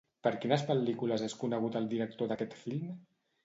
Per quines pel·lícules és conegut el director d'aquest film?